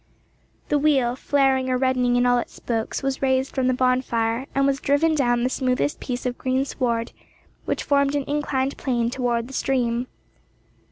The wheel, flaring or reddening in all its spokes, was raised from the bonfire, and was driven down the smoothest piece of green sward, which formed an inclined plane towards the stream.